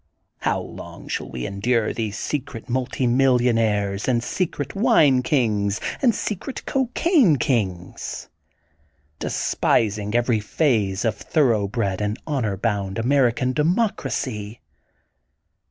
How long shall we endure these secret multimillionaires and secret wine kings and secret cocaine kings, despising every phase of thoroughbred 202 THE GOLDEN BOOK OF SPRINGFIELD and honor bound American Democracy?